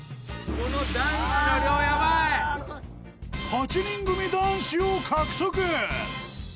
［８人組男子を獲得！］